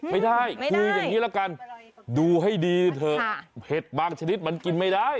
ไม่ได้คืออย่างนี้ละกันดูให้ดีเถอะเห็ดบางชนิดมันกินไม่ได้